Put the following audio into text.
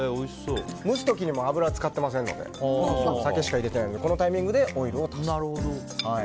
蒸す時にも油使ってませんので酒しか入れていないのでこのタイミングでオイルを足すと。